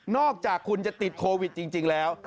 อกจากคุณจะติดโควิดจริงแล้ว